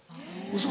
ウソ。